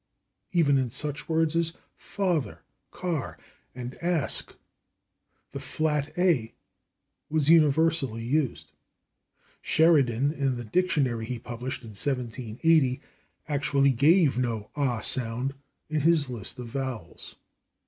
Even in such words as /father/, /car/ and /ask/ the flat /a/ was universally used. Sheridan, in the dictionary he published in 1780, actually gave no /ah/ sound in his list of vowels.